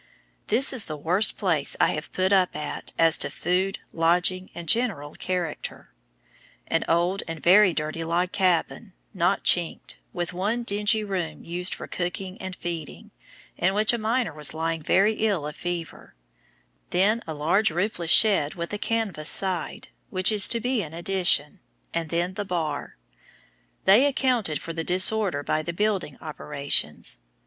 This is the worst place I have put up at as to food, lodging, and general character; an old and very dirty log cabin, not chinked, with one dingy room used for cooking and feeding, in which a miner was lying very ill of fever; then a large roofless shed with a canvas side, which is to be an addition, and then the bar. They accounted for the disorder by the building operations.